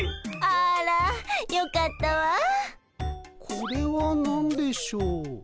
これは何でしょう？